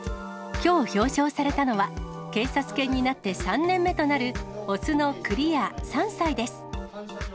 きょう表彰されたのは、警察犬になって３年目となる雄のクリア３歳です。